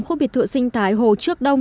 khu biệt thựa sinh thái hồ trước đông